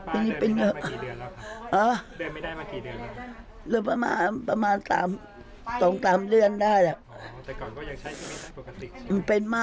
คุณป้าเดินไม่ได้มากี่เดือนแล้วค่ะ